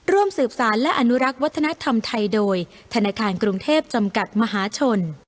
ร่วมสืบสารและอนุรักษ์วัฒนธรรมไทยโดยธนาคารกรุงเทพจำกัดมหาชน